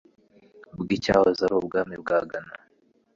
bw'icyahoze ari ubwami bwa Gana,